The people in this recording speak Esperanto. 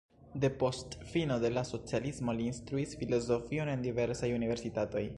Depost fino de la socialismo li instruis filozofion en diversaj universitatoj.